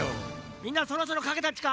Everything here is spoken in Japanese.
みんなそろそろかけたっちか？